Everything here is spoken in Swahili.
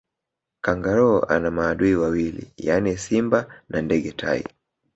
Kangaroo ana maadui wawili yaani simba na ndege tai